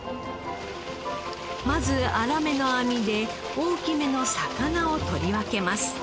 まず粗めの網で大きめの魚を取り分けます。